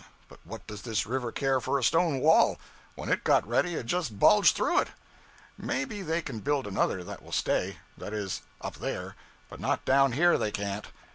But what does the river care for a stone wall? When it got ready, it just bulged through it. Maybe they can build another that will stay; that is, up there but not down here they can't.